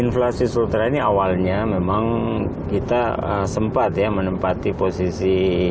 inflasi sultra ini awalnya memang kita sempat ya menempati posisi